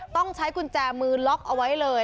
ต้องใช้กุญแจมือล็อกเอาไว้เลย